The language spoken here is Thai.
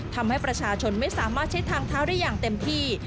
ทำให้ประชาชนไม่สามารถใช้ทางเท้าได้อย่างเต็มที่